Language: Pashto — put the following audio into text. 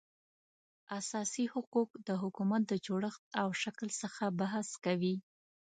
اساسي حقوق د حکومت د جوړښت او شکل څخه بحث کوي